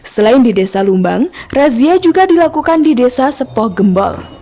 selain di desa lumbang razia juga dilakukan di desa sepoh gembol